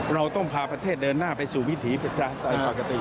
เราต้องพาประเทศเดินหน้าไปสู่วิถีประชาธิปไตยปกติ